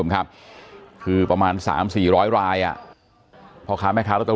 อ๋อเจ้าสีสุข่าวของสิ้นพอได้ด้วย